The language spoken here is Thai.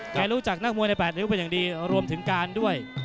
รู้จักนักมวยใน๘นิ้วเป็นอย่างดีรวมถึงการด้วย